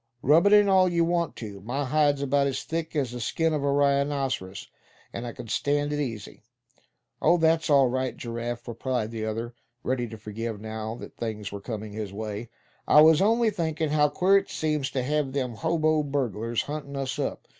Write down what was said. Rub it in all you want to; my hide's about as thick as the skin of a rhinoceros, and I c'n stand it easy." "Oh! that's all right, Giraffe," replied the other, ready to forgive, now that things were coming his way; "I was only thinkin' how queer it seems to have them hobo burglars huntin' us up.